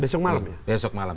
besok malam ya